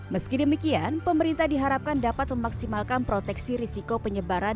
meskidemikian pemerintah diharapkan dapat memaksimalkan proteksi risiko penyebaran